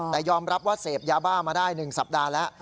แต่ยอมรับว่าเสพยาบ้ามาได้๑สัปดาห์แล้ว